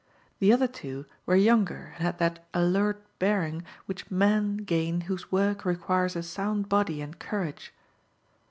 The other two were younger and had that alert bearing which men gain whose work requires a sound body and courage.